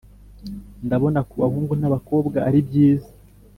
Ndabona ku bahungu n’abakobwa ari byiza.